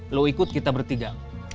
lo ikut kita bertiga